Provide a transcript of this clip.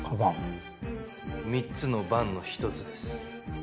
３つのバンの１つです。